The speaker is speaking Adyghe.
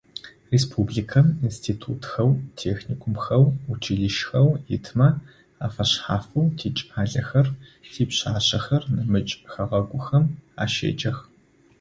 Республикэм институтхэу, техникумхэу, училищхэу итмэ афэшъхьафэу тикӏалэхэр, типшъашъэхэр нэмыкӏ хэгъэгухэм ащеджэх.